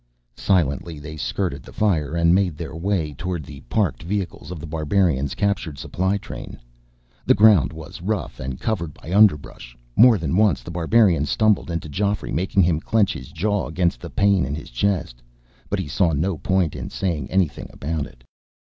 Silently, they skirted the fire and made their way toward the parked vehicles of The Barbarian's captured supply train. The ground was rough and covered by underbrush. More than once, The Barbarian stumbled into Geoffrey, making him clench his jaw against the pain in his chest. But he saw no point in saying anything about it.